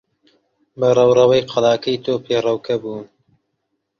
بە ڕەوڕەوەی قەڵاکەی تۆ پێڕەوکە بوون.